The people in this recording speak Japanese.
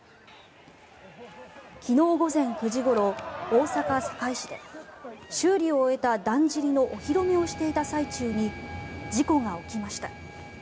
昨日午前９時ごろ、大阪・堺市で修理を終えただんじりのお披露目をしていた最中に事故が起きました。